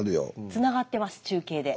つながってます中継で。